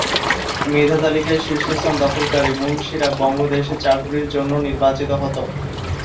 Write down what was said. মেধাতালিকায় শীর্ষস্থান দখলকারী মুনশিরা বঙ্গদেশে চাকুরির জন্য নির্বাচিত হতো।